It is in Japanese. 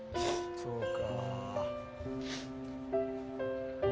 そうか。